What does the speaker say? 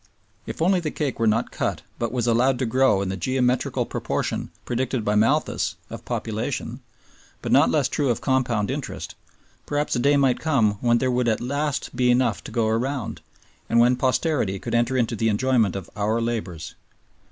If only the cake were not cut but was allowed to grow in the geometrical proportion predicted by Malthus of population, but not less true of compound interest, perhaps a day might come when there would at last be enough to go round, and when posterity could enter into the enjoyment of our labors.